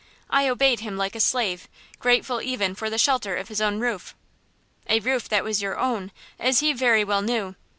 I obeyed him like a slave, grateful even for the shelter of his roof." "A roof that was your own, as he very well knew.